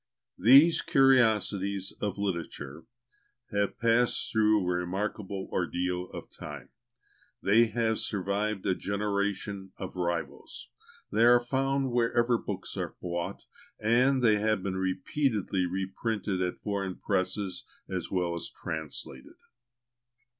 These "Curiosities of Literature" have passed through a remarkable ordeal of time; they have survived a generation of rivals; they are found wherever books are bought, and they have been repeatedly reprinted at foreign presses, as well as translated.